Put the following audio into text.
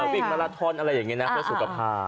วิ่งมาลาทอนอะไรอย่างนี้นะเพื่อสุขภาพ